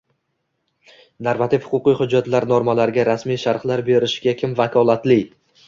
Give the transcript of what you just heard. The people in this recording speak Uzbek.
Normativ-huquqiy hujjatlar normalariga rasmiy sharh berishga kim vakolatli?